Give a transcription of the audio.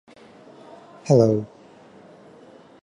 hello